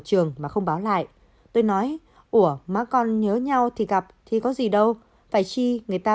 trường mà không báo lại tôi nói ủa mà con nhớ nhau thì gặp thì có gì đâu phải chi người ta